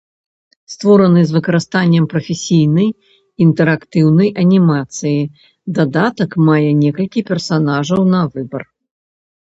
Створаны з выкарыстаннем прафесійнай інтэрактыўнай анімацыі дадатак мае некалькі персанажаў на выбар.